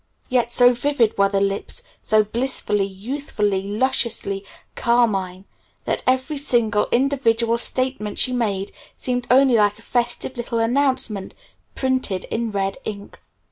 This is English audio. Yet so vivid were the lips, so blissfully, youthfully, lusciously carmine, that every single, individual statement she made seemed only like a festive little announcement printed in red ink.